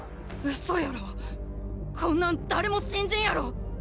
嘘やろこんなん誰も信じんやろ。